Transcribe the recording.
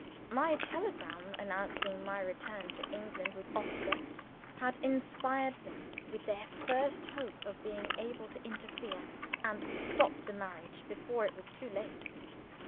My telegram, announcing my return to England with Oscar, had inspired them with their first hope of being able to interfere, and stop the marriage before it was too late.